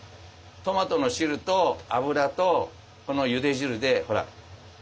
トマトの汁と油とこのゆで汁でほら。